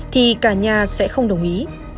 thì cả nhà sẽ không đồng ý